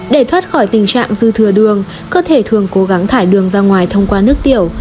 để thoát khỏi tình trạng dư thừa đường cơ thể thường cố gắng thải đường ra ngoài thông qua nước tiểu